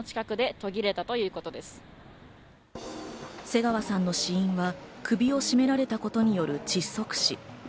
瀬川さんの死因は、首を絞められたことによる窒息死。